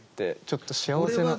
ちょっと幸せな。